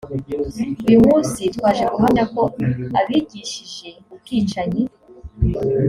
uyu munsi twaje guhamya ko abigishije ubwicanyi